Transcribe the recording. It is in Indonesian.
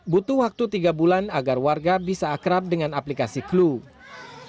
butuh waktu tiga bulan agar warga bisa akrab dengan aplikasi clue